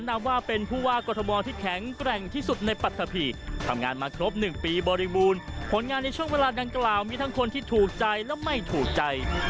นับว่าเป็นผู้ว่ากรทมที่แข็งแกร่งที่สุดในปรัฐภีร์ทำงานมาครบหนึ่งปีบริบูรณ์ผลงานในช่วงเวลาดังกล่าวมีทั้งคนที่ถูกใจและไม่ถูกใจ